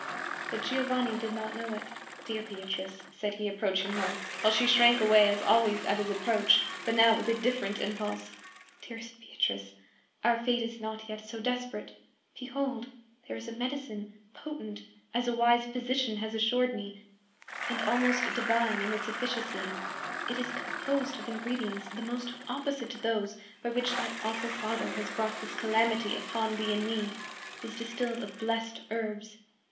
But Giovanni did not know it. "Dear Beatrice," said he, approaching her, while she shrank away as always at his approach, but now with a different impulse, "dearest Beatrice, our fate is not yet so desperate. Behold! there is a medicine, potent, as a wise physician has assured me, and almost divine in its efficacy. It is composed of ingredients the most opposite to those by which thy awful father has brought this calamity upon thee and me. It is distilled of blessed herbs.